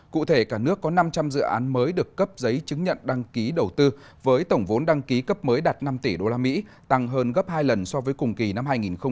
cụ thể cả nước có năm trăm linh dự án mới được cấp giấy chứng nhận đăng ký đầu tư với tổng vốn đăng ký cấp mới đạt năm tỷ usd tăng hơn gấp hai lần so với cùng kỳ năm hai nghìn một mươi chín